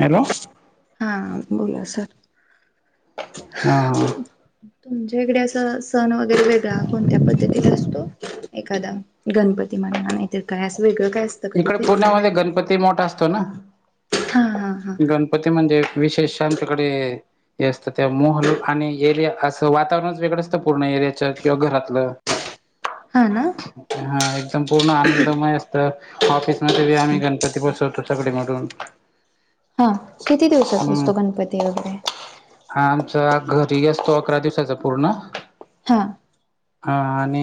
Hello. हा बोला sir. हा. तुमच्या इकडे असा सण वगैरे वेगळा कोणत्या पद्धतीत असतो. एखादा गणपती म्हणा नाहीतर काय असं वेगळं काय अस इकडं पुण्यामध्ये गणपती मोठा असतो ना हा हा हा गण पती म्हणजे विशेष आमच्याकडे हे असतं त्या मोहल आणि एरिया असं वातावरणचं वेगळं असतं पूर्ण एरियाच किंवा घरातलं. [unintelligible] हा ना. हा एकदम पूर्ण आनंदमय असत. ऑफिसमध्येबी आम्ही गणपती बसवतो सगळे मधून हा किती दिवसाचा असतो गणपती वगैरे? हा आमचा घरी असतो अकरा दिवसाचा पूर्ण हा. हा आणि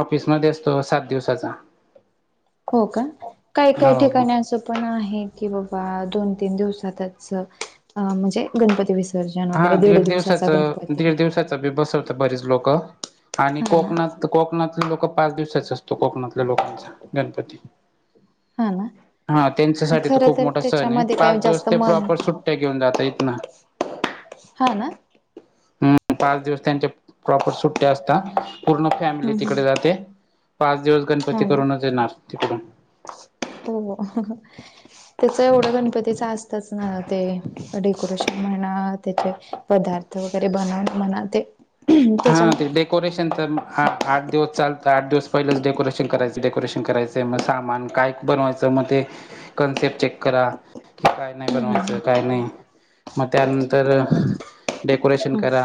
ऑफिसमध्ये असतो सात दिवसाचा. हो का काय काय हो हो ठिकाणी अस पण आहे की बाबा दोन तीन दिवसातच म्हणजे गणपती विस दर्शन वगैरे दीड दिवसाचा गणपती. ईतबी बसवता बरिच लोक आणि हा ना कोकणात कोकणातली लोक पाच दिवसाच असतो कोकणातल्या लोकांचा गणपती. हा ना हा त्यांच्यासाठी तर खर खूप मोठा सण आहे त्याच्यामध्ये काय पाच दिवस जास्त ते मन प्रॉपर सुट त्या घेऊन जातो इथनं. हा ना. हम्म पाच दिवस त्यांच्या प्रॉपर सुट्टे असतात पूर्ण फॅमिली हम्म तिकडे हम्म जाते. पाच दिवस गणपती हा ना करूनच येणार तिकडून. ह हो त्याच एवढं गणपतीच असतच ना ते डेकोरेशन. म्हणा त्याचे पदार्थ वगैरे बनवून म्हणा ते. हा त्याच्या ते डेक कोरेशन तर आठ दिवस चाल तर आठ दिवस पहिलेच डेकोरेशन कराचं डेकोरेशन करायच. ते मग सामान काय बनवायचं मग ते कन्सेप्ट चेक करा. काय नाही बनवायचं काय नाही. मग त्यानंतर डेकोरेशन करा.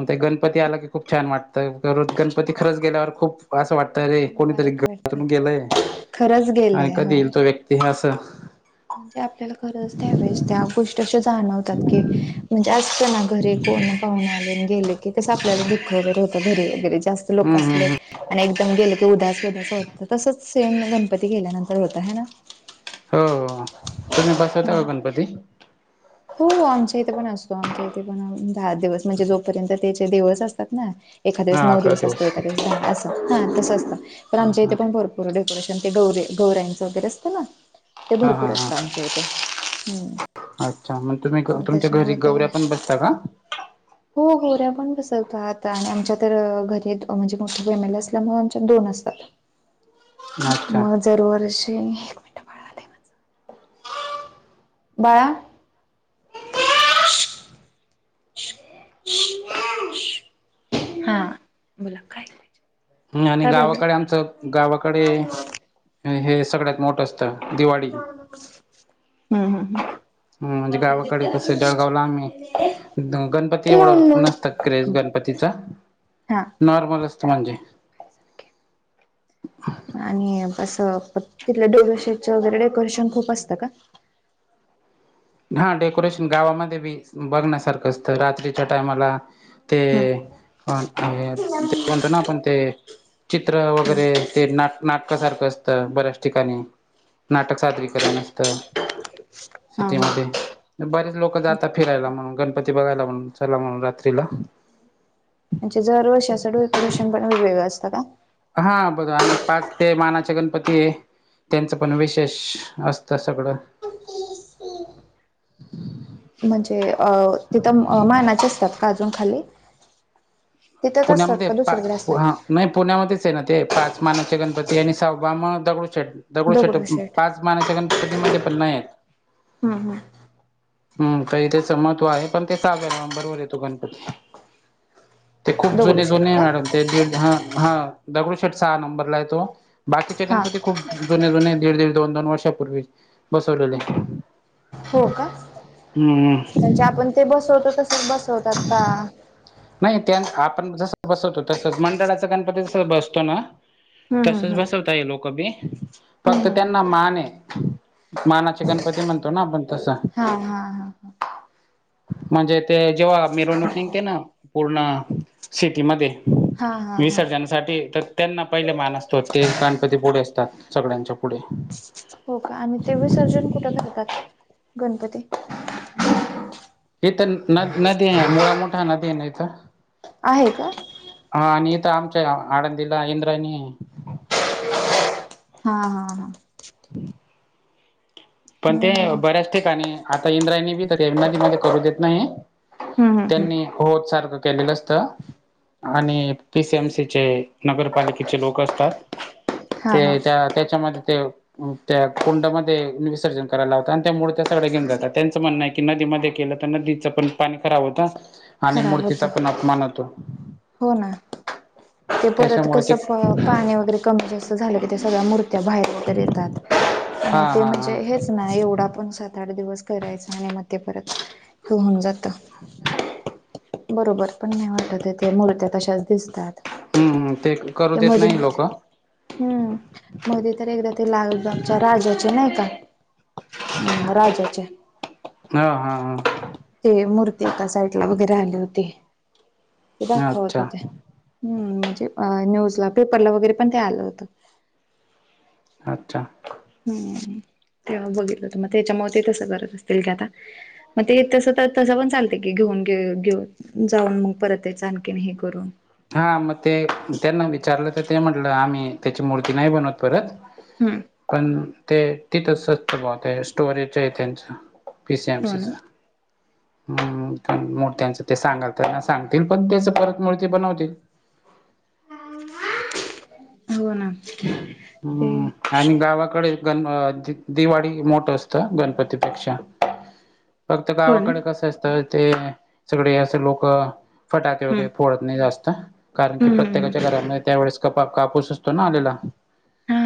मग ते गणपती आला की खूप छान वाटतं गणपती खरंच गेल्यावर खूप. असं वाटत रे कोणीतरी वाईट वाटत घरातून गेलंय खरंच आणि गेलंय कधी होय येईल तो व्यक्ती हे असं. म्हणजे आपल्याला खरच त्यावेळेस त्या गोष्टी अशा जाणवतात की म्हणजे आस त ना घरी कोण पाहुणे आले गेले की कस आपल्याला दुःख वगैरे होतं घरी वगैरे जास्त लोक हम्म असले. हम्म आणि एकदम गेलं की उदास उदास वात तसच सेन गणपती गेल्यानंतर होत हे ना. हो हो तुम्ही बसवता का ना गणपती. हो आमच्या इथे पण असतो आमच्या इथे पण दहा दिवस म्हणजे जोपर्यंत त्याचे देवस असतात ना. एखा हा नऊ अकरा दिवस असतो एखा दिवस दहा असं हां तसं असतं पण आमच्या इथे पण भर पूर डेकोरेशन ते गे गौऱ्यांच वगैरे असतं ना. ते हा हा भरपूर असत हा आमच्या इथे हम्म. अच्छा मग तुम्ही मग तुमच्या घरी त्याच्यामुळे ते गौऱ्या पण बसता का? हो गोऱ्या पण बसवतात आता आणि आमच्या तर घरी म्हणजे मोठ फॅमिली असल्यामुळे आमच्या दोन असतात. [inaudible] अच्छा मग जर वर्षी. बाळा. हा बोला काय. ह आणि काय पाहिजे गावाकडे आमचं गावाकडे हे सगळ्यात मोठं अस त दिवाळी. हम्म हम्म हम्म. हम्म म्हणजे मम्मा गावाकडे कसं जळगावला आम्ही गणपती एवढं नस त क्रेज गणपतीचा. हा. नॉर्मल असतं म्हणजे. आणि असं तिथलं दगडूशेठच वगैरे डेकोरेशन खूप असतं का. हा डेकोरेशन गावामध्ये बी बघण्यासारखं असतं रात्रीच्या टायमाला. ते हम्म ते म्हणतो ना आपण ते. चित्र वगैरे ते नाक-नाटक सारखं अस त बऱ्याच ठिकाणी नाटक साजरीकरण असत. हा हा कितीमध्ये बरेच लोक जातात फिरायला म्हणून गणपती बघायला म्हणून चला म्हणून रात्रीला. म्हणजे जरवर्षाचं डेकोरेशन पण वेगवेगळं असतं का. हा बघ आणि पाच ते मानाचे गणपती आहे. त्यांचं पण विशेष असतं सगळं. म्हणजे अ तिथं मानाचे असतात का अजून खाली. तिथंच असतात पुण्यामध्ये का टाक दुसरीकडे प हा. असतात नाही पुण्यामध्येच आहे ना ते पाच मानवच्या गणपती आणि सहावा मग दगडूशेठ दगडू छट दगडूशेठ पाच मानाच्या गणपतीमध्ये पण नाही आहेत. हम्म हम्म हम्म तर इथेच महत्व आहे पण ते सव्या बरोबर येतो गणपती. ते खूप जुने दगडूशेठ जुने आहे का? मॅडम ते दीड ह हा दगडूशेठ सहा नंबरला आहे तो. बाकीचे हा गणपती खूप जुने जुने दीड दीड दोन दोन वर्षापूर्वी बसवलेले. हो का हम्म म्हणजे हम्म. आपण ते बसवत तस बसवतात का? नाही त्या आपण जस बसवतो तसच मंडळाच गणपती तस बसतो ना. हम्म तसच हम्म बसवता ये लोक बी हम्म फक्त हम्म हम्म त्यांना हम्म. मान आहे. मानाचे गणपती म्हणतो ना आपण. तसं हा हा हा. म्हणजे ते जेव्हा मिरवणूक निघते ना. पूर्ण सिटीमध्ये हा हा हा विसर्जनासाठी तर त्यांना पहिले मान असतो ते गणपतीप पुढे असतात सगळ्यांच्या पुढे. हो का आणि ते विसर्जन कुठं करतात गणपती. इथं न नदी आहे मुळाा मोठा नदी आहे ना इथं. आहे का? हा आणि इथ आमच्या आडंदीला इंद्रानी. हा हा हा. पण ते मग हम्म बऱ्याच ठिकाणी आता इंद्रायणी बी. त्यांना ती मध्ये करू देत नाही हम्म हम्म त्यांनी होत सारखं केलेलं असत. आणि पी सीएमसीचे नगरपालिकेचे लोक असतात. हा ते हा त्या त्याच्यामध्ये ते त्या कुंडमध्ये वीस सर्जन करायला होतता आणि त्यामुळेळ त्या सगळ्या घेऊन जात त्यांचं म्हणणं की नदीमध्ये केलं तर नदीच पण पाणी खराब होत. आणि खराब होत मूर्तीचा पण अपमान होतो. हो ना ते परत त्याच्यामुळे ते कसं प पाणी वगैरे कमी जास्त झालं क ते सगळ्या मर. त्या बाहेर वगैरे येतात हा आणि ते हा हा म्हणजे हेच. नाही एवढा पण सात आठ दिवस करायचा आणि मग ते परत होऊन जात. [inaudible] बरोबर पण नाही वाटत. ते मूर्त कशच दिसतात हम्म हम्म ते करू त्या देत मधे नाही लोक हा मधे हम्म मोदी तर एकदा ते लालबागच्या राजाचे नाही का? हम् राजाचे. हा हा हा. ते मूर्ती आता साईडला वगैरे आली होती ते दाखवत अच्छा होते. हम् म्हणजे अ न्यूजला पेपरला वगैरे पण ते आलं होतं. अच्छा. हम् तेव्हा बघितलं तर मग त्याच्या म ते तसं करत असतील का आता. मग ते तस तर तसं पण चालते की घेऊन घेऊ घेऊन. जाऊन मग परत याच आणखीन हे करून. हा मग ते त्यांना विचारलं तर ते म्हटलं आम्ही त्याची मूर्ती नाही बनवत परत. हम्. पण ते तिथंचच भा ते स्टोरेज आहे त्यांचं. पी स एम हो ना सीचा. हम्म मूर्त्यांचं ते सांगालना सांगतील पण त्याच परत मूर्ती बनवतील. हो ना. ते हम्म आणि गावाकडे गण दिवाळी मोठ असतं गणपतीपेक्षा. ह. फक्त हो ना गावाकडे कसं असतं ते सगळे असं लोक फटाके हम्म वगैरे फोडत नाही जाअसत. का कारण की हम्म हम्म प्रत्येकाच्या घरामध्ये त्या वेळेस क कापूस असतो ना आलेला. हा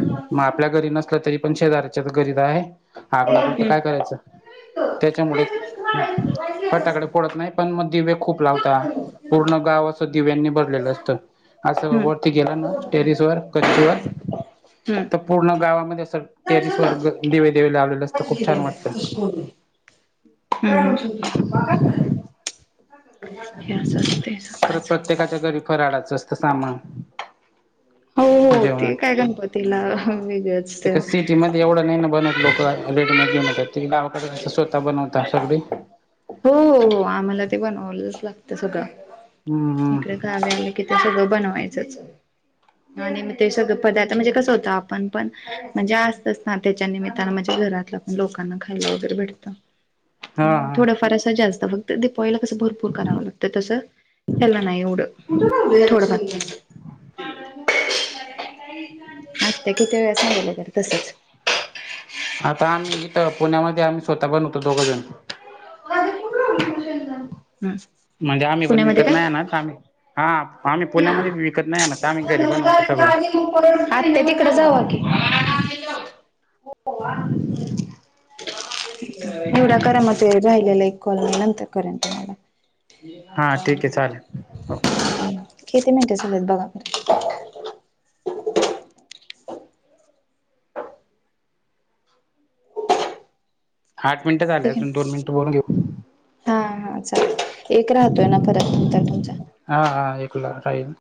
मग आपल्या घरी नसलं तरी पण शेजार्याच्या घरीदा आहे आग लागली हा तर काय करायचं. त्याच्यामुळे पटाकडे हा. फोडत नाही पण मग दिवे्य खूप लावता. हम्म. पूर्ण गाव असं दिव्यांनी भरलेलं असत असं हम्म. वर ती गेला ना टेरिस वर कच्ची वर. तर पूर्ण गावामध्ये अस टेरिस वर्ग दिवे, दिवे लावलेलं अस तर खूप छान वाटत का त बा काय कराय या स ते अस खच. त्येकाच्या घरी फराडाचं असतं सामान. हो, हो ते काय गणपती ला वेगळच त सिटी मध्ये एवढं नाही ना बनवत लोकं रेडीमेड घेऊनात ते गावाकडे कस स्वतः बनवता सगळी हो, हो आम्हाला ते बनवलंच लागत सगळं हम्म इकडे हम्म गावे कि ते सगळं बनवायचंच ह आणि ते सगळं पदार्थ म्हणजे कसं होतं आपण पण म्हणजे असतच ना त्याच्या निमित्तां म्हणजे घरातलं लोकांना खायला वगैरे भेटत हा मग हा थोडाफार असा जास्त फक्त दिपवाळीला कसं भरपूर करावं लागतं तसं हे्याला नाही एवढं थोडं फार [inaudible] आत्या किती वेळा सांगितलं तर तसच आता आम्ही इथं पुण्यामध्ये आम्ही स्वतः बनवतो दोघंजण माझे कुठ राल खुश एक जा ह म्हणजे आम्ही पण विकत नाही ना आम्ही हा आम्ही पुण्यामध्ये विकत नाही आणत आम्ही घरी बनवतो सगळं आत्या तिकडे जावा की हो आ निवडा करा म राहिलेला एक कॉल मी नंतर करेन ह हा ठीक आहे चालेल हो किती मिनटे झालेत बघा बरं आठ मिनिटं झाले ठीक आहे अजून दोन मिनिट बोलून घेऊ हा, हा चालतय एक राहतोय ना परत नंतर तुमचा हा, हा एकला राहील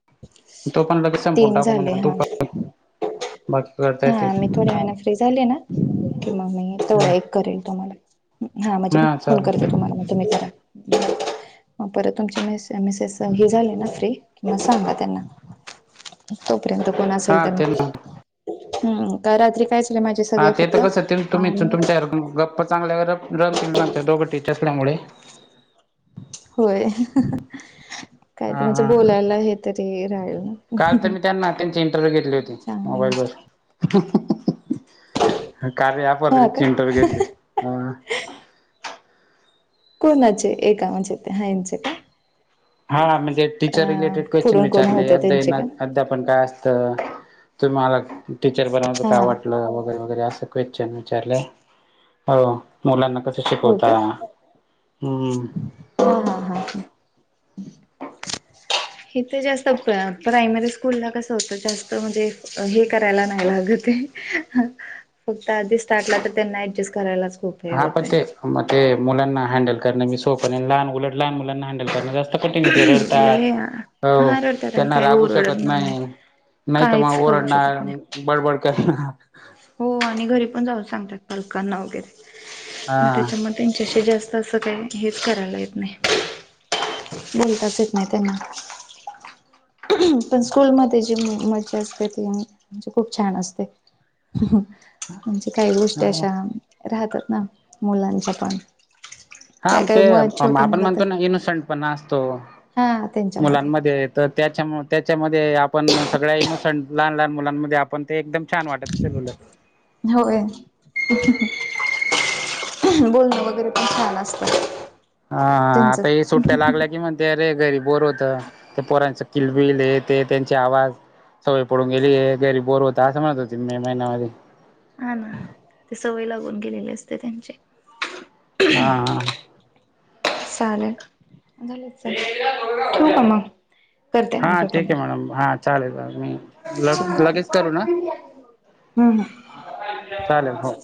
तो पण लगेच संपून तीन टाकू झाले म्हणजे तू हा पण बाकी काय अजून हा मी थोड्या वेळा फ्री झाली ना की मग मी हा तेवढा एक करेल तुम्हाला हा म्हणजे मी फोन करते तुम्हाला मग त मी करा हम्म मग परत तुमची मेसेस ह झाले ना फ्री किंवा सांगा त्यांना तोपर्यंत कोण असेल हा तर मग त्यांना सांगतो हम् का रात्री कायच हा ते तर कसं तुम्हीच तुमच्या गप्पा चांगल्यावर रमतील दोघ टीच असल्यामुळे होय काय हा म्हणजे हा बोलायला हे तरी राहील काल तर ना मी त्यांना त्यांची चांगली गोष्ट कार्ये ॲप वाले हा का इंटर केली अ कोणाचे एका म्हचे ते हा इच का हा म्हणजे टीचर अ रिलेटेड क्वेश्चन पुढून कोण विचारले होते त्यांचे अ्या का अद्यापण काय अस तर तुम्ही मला टीचर बनवण्याच हा का हा आवट वगैरे, वगैरे असं क्वेश्चन विचारलय हो मुलांना कसं हो शिकवता का हम्म हा, हा, हा हेथ जास्त प्रायमरी स्कूल ला कसं होतं जास्त म्हणजे हे करायला नाही लागतय ह फक्त आधी स्टार्टला तर त्यांना ऍडजस्ट करायलाच खूप हे हा पण होतय ते मग ते मुलांना हँडल करण मी सोपन लहान उलट लहान मुलांना हँडल कर ना जास्त पटीनं तेे रडतात लय हो हा रडतात आणि त्यांना काही रागू ओरडत शकत नाही नाही तर काहीच मग करू शकत ओरडणार नाही. बडबड करणार हो आणि घरी पण जाऊ सांगतात पालकांना वगैरे हा मग त्याच्यामध्ये त्यांच्याशी जास्त असं काही हेच करायला येत नाही. बोलताच येत नाही त्यांना. पण स्कूलमध्ये जी मज्जा असते ती म्हणजे खूप छान असते म्हणजे काही गोष्टी अशा राहतात ना मुलांच्या पण हा काय काय ते मु छोटे आपण मुलं तर म्हणतो ना इनोसंट पण असतो हा त्यांच्यामध्ये मुलांमध्ये तर त्याच्यामुळे त्याच्यामध्ये आपण सगळ्या इनोसंट लहान लहान मुलांमध्ये आपण ते एकदम छान वाटत असेलं उलट. होय. बोलणं वगैरे पण छान असतं. हा आता हे त्यांचं सुट्टटया लागल्या की म्हण ते अरे घरी बोर होत. ते पोरांचं किलबिल हे ते त्यांचे आवाज सवय पडून गेलीये. घरी बोर होत असं म्हणत होती मे महिन्यामध्ये. हा ना ते सवय लागून गेलेली असते त्यांची. हा हा. चालेल झालेच आहे. ठेऊ का मग? करते हा नंतर ठीक आहे मॅडम. हा चालेल चालेल. मी तुम्हाला लगेच करू ना? हम्म हम्म. चालेल हो.